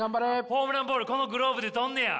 ホームランボールこのグローブで捕んねや。